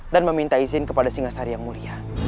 dan meminta izin kepada singasari yang mulia